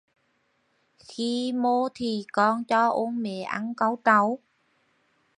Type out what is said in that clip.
Khi mô thì con cho ôn mệ ăn cau trầu?